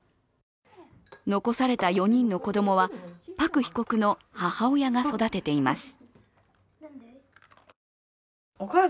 残された４人の子供はパク被告の母親が育てています。